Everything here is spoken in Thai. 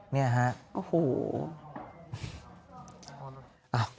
เนี่ยฮะ